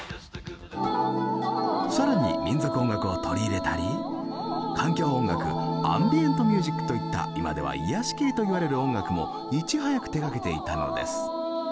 更に民族音楽を取り入れたり環境音楽アンビエントミュージックといった今では癒やし系といわれる音楽もいち早く手がけていたのです。